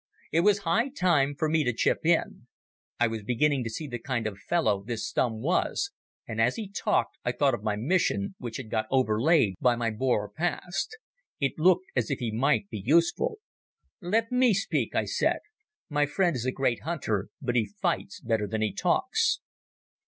It was high time for me to chip in. I was beginning to see the kind of fellow this Stumm was, and as he talked I thought of my mission, which had got overlaid by my Boer past. It looked as if he might be useful. "Let me speak," I said. "My friend is a great hunter, but he fights better than he talks.